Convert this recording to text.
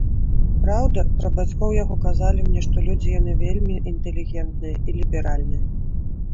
Праўда, пра бацькоў яго казалі мне, што людзі яны вельмі інтэлігентныя і ліберальныя.